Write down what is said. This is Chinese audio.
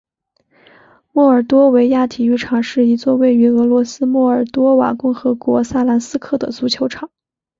莫尔多维亚体育场是一座位于俄罗斯莫尔多瓦共和国萨兰斯克的足球场。